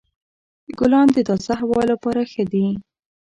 ګلان د تازه هوا لپاره ښه دي.